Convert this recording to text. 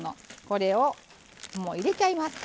これを入れちゃいます。